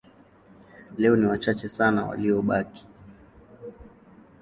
Leo ni wachache sana waliobaki.